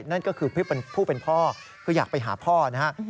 นั่นก็คือผู้เป็นพ่อคืออยากไปหาพ่อนะฮะ